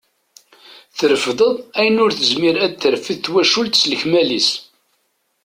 Terfdeḍ ayen ur tezmir ad terfed twacult s lekmal-is.